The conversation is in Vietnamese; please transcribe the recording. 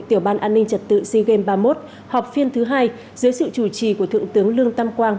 tiểu ban an ninh trật tự sea games ba mươi một họp phiên thứ hai dưới sự chủ trì của thượng tướng lương tam quang